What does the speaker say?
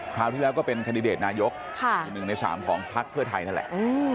คราวที่แล้วก็เป็นคันดิเดตนายกอยู่๑ใน๓ของพักเพื่อไทยนั่นแหละ